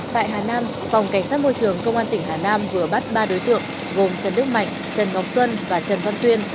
tại hà nam phòng cảnh sát môi trường công an tỉnh hà nam vừa bắt ba đối tượng gồm trần đức mạnh trần ngọc xuân và trần văn tuyên